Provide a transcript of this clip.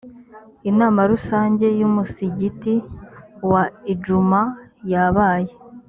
inama rusange y ‘umusigiti wa idjuma yabaye.